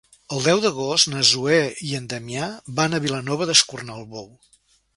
El deu d'agost na Zoè i en Damià van a Vilanova d'Escornalbou.